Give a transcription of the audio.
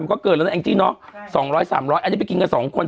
มันก็เกินแล้วนั้นเองจี้เนาะใช่สองร้อยสามร้อยอันนี้ไปกินกับสองคน